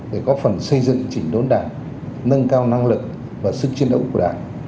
để góp phần xây dựng chỉnh đốn đảng nâng cao năng lực và sức chiến đấu của đảng